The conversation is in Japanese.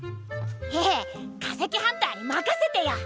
ヘヘッ化石ハンターに任せてよ！